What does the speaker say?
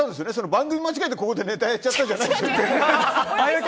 番組を間違えてここでネタやっちゃったんじゃなくて。